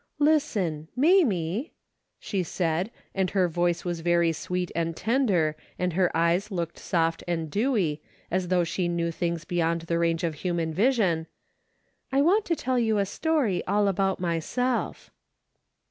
"Listen! Mamie," she said, and her voice was very sweet and tender, and her eyes looked soft and dewy, as though she saw DAILY BATE:'> 293 things beyond the range of human vision, " I want to tell you a story all about myself."